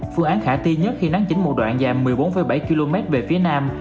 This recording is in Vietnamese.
phương án khả ti nhất khi nắng chính một đoạn dài một mươi bốn bảy km về phía nam